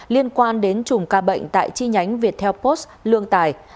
liên quan đến chùm ca bệnh tại chi nhánh viettel post lương tài